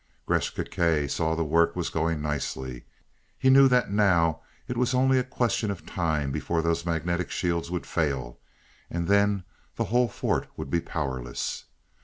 Gresth Gkae saw the work was going nicely. He knew that now it was only a question of time before those magnetic shields would fail and then the whole fort would be powerless.